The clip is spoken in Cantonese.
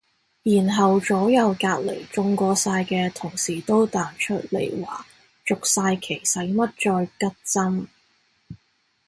然後左右隔離中過晒嘅同事都彈出嚟話續晒期使乜再拮針